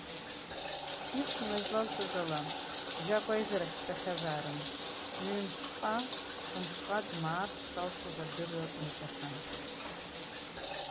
Иԥшәма излалҳәаз ала, Жьакәа аизарахь дцахьазаарын, ҩы-мшҟа, хы-мшҟа дмаарц шалшоз, адырра лиҭахьан.